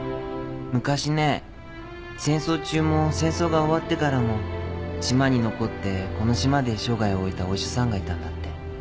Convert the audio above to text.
昔ね戦争中も戦争が終わってからも島に残ってこの島で生涯を終えたお医者さんがいたんだって。